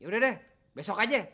yaudah deh besok aja